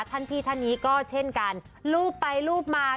พี่ท่านนี้ก็เช่นกันรูปไปรูปมา